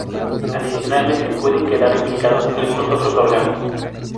Adicionalmente, pueden quedar implicados algunos otros órganos.